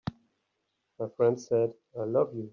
My friend said: "I love you.